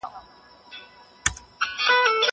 زه پرون کتابونه وړلي!